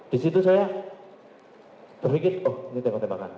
di situ saya berpikir oh ini tembak tembakan